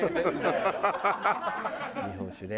日本酒ね。